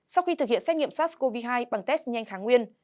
sau khi thực hiện xét nghiệm sars cov hai bằng test nhanh kháng nguyên